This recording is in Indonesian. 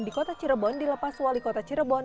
di kota cirebon dilepas wali kota cirebon